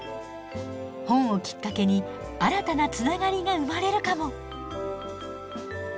本をきっかけに新たなつながりが生まれるかも！